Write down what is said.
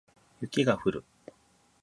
雪が降る